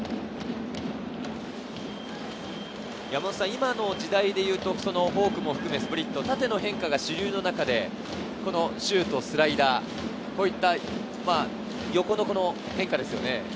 今の時代でいうとフォークも含め、スプリット、縦の変化が主流の中でシュート、スライダー、横の変化ですよね。